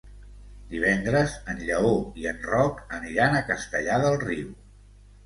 Divendres en Lleó i en Roc aniran a Castellar del Riu.